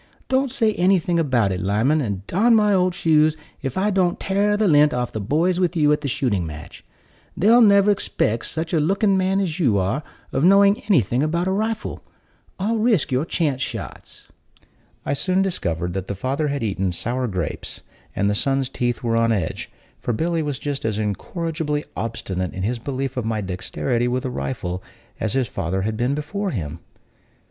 Don't say anything about it, Lyman, and darn my old shoes, if I don't tare the lint off the boys with you at the shooting match. They'll never 'spect such a looking man as you are of knowing anything about a rifle. I'll risk your chance shots." I soon discovered that the father had eaten sour grapes, and the son's teeth were on edge; for Billy was just as incorrigibly obstinate in his belief of my dexterity with a rifle as his father had been before him.